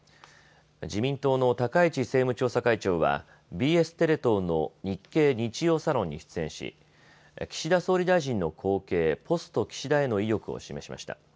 自民党の高市政務調査会長はＢＳテレ東のＮＩＫＫＥＩ日曜サロンに出演し岸田総理大臣の後継、ポスト岸田への意欲を示しました。